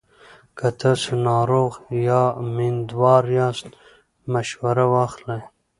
که تاسو ناروغ یا میندوار یاست، مشوره واخلئ.